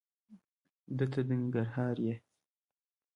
دته د ننګرهار یې؟